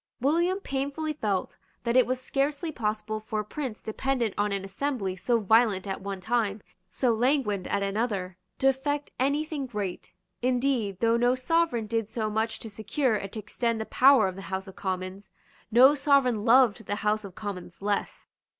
William painfully felt that it was scarcely possible for a prince dependent on an assembly so violent at one time, so languid at another, to effect any thing great. Indeed, though no sovereign did so much to secure and to extend the power of the House of Commons, no sovereign loved the House of Commons less.